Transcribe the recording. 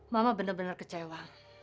mama bener bener kecewa